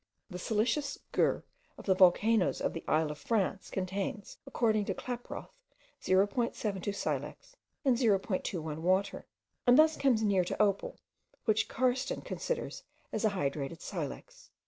The siliceous gurh of the volcanoes of the Isle of France contains, according to Klaproth, 0.72 silex, and 0.21 water; and thus comes near to opal, which Karsten considers as a hydrated silex.)